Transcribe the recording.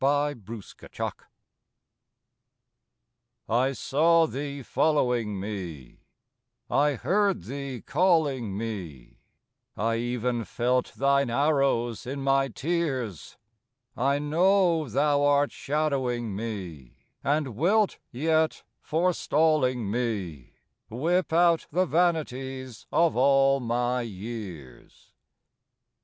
72 THE FUGITIVE I saw Thee following me, I heard Thee calling me, I even felt Thine arrows in my tears; I know Thou art shadowing me, And wilt yet, forestalling me, Whip out the vanities of all my years.